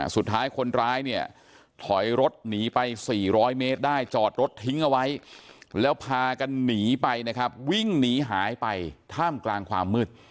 สุดท้ายคนร้ายเนี่ยถอยรถหนีไป๔๐๐เมตรได้จอดรถทิ้งเอาไว้แล้วพากันหนีไปนะครับวิ่งหนีหายไปท่ามกลางความมืด